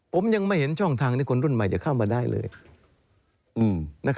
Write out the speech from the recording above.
ผมยังไม่เห็นช่องทางที่คนรุ่นใหม่จะเข้ามาได้เลย